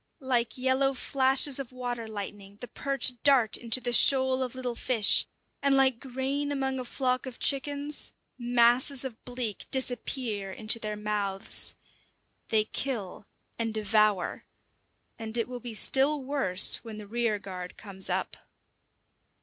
Like yellow flashes of water lightning the perch dart into the shoal of little fish, and like grain among a flock of chickens, masses of bleak disappear into their mouths. They kill and devour and it will be still worse when the rear guard comes up.